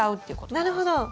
なるほど。